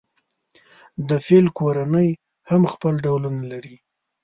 د فیل کورنۍ هم خپل ډولونه لري.